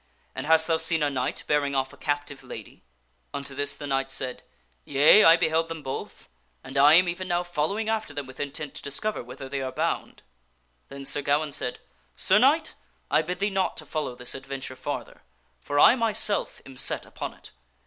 And hast thou seen a knight bearing off a captive lady ?" Unto this the knight said, " Yea, I beheld them both, and I am even now following after them with intent to discover whither they are bound." Then Sir Gawaine said, " Sir Knight, I bid thee not to follow this adventure farther, for I myself am set upon it.